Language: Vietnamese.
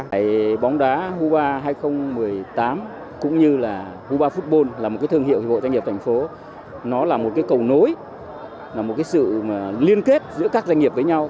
đại bóng đá huba hai nghìn một mươi tám cũng như huba football là một thương hiệu doanh nghiệp thành phố nó là một cầu nối một sự liên kết giữa các doanh nghiệp với nhau